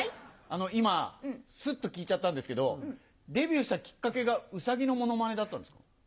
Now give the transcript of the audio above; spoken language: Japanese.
今スッと聞いちゃったんですけどデビューしたきっかけがウサギのモノマネだったんですか？